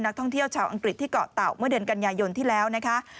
นักท่องเที่ยวชาวอังกฤษที่เกาะเต่าเมื่อเดือนกันยายนที่แล้วนะคะ